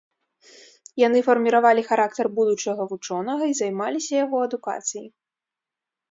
Яны фарміравалі характар будучага вучонага і займаліся яго адукацыяй.